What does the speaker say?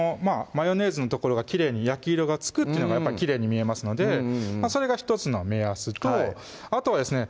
マヨネーズの所がきれいに焼き色がつくっていうのがやっぱりきれいに見えますのでそれが１つの目安とあとはですね